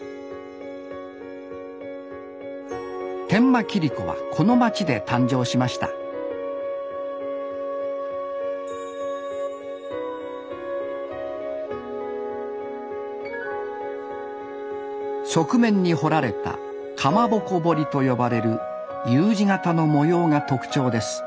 天満切子はこの町で誕生しました側面に彫られた蒲鉾彫りと呼ばれるＵ字形の模様が特徴です。